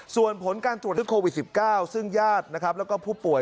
ส่วนผลการตรวจโควิด๑๙ซึ่งญาติแล้วก็ผู้ป่วย